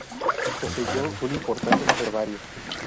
Poseyó un importante herbario